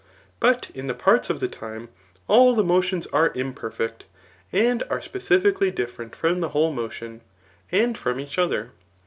But in the parts of the time, all the motions are imperfect, and are specifically different from the whole motion, and from each other.